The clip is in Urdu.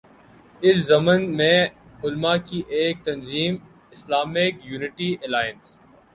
اس ضمن میں علما کی ایک تنظیم ”اسلامک یونٹی الائنس“